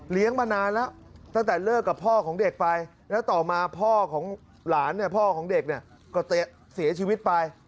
มานานแล้วตั้งแต่เลิกกับพ่อของเด็กไปแล้วต่อมาพ่อของหลานเนี่ยพ่อของเด็กเนี่ยก็เสียชีวิตไป